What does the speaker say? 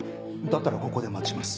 だったらここで待ちます。